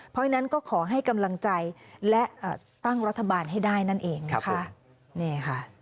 เพราะฉะนั้นก็ขอให้กำลังใจและตั้งรัฐบาลให้ได้นั่นเองนะคะ